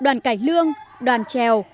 đoàn cảnh lương đoàn trèo